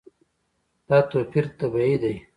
دا توپیر طبیعي دی.